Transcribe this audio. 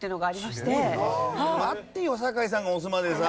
待ってよ酒井さんが押すまでさ。